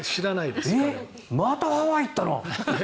またハワイに行ったの！？